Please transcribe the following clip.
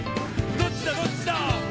「どっちだどっちだ」